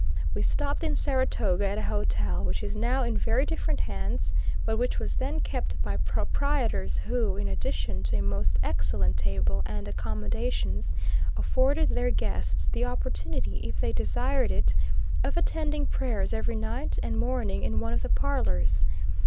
We stopped in Saratoga at a hotel, which is now in very different hands, but which was then kept by proprietors who, in addition to a most excellent table and accommodations, afforded their guests the opportunity, if they desired it, of attending prayers every night and morning in one of the parlors.